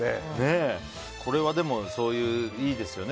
これはいいですよね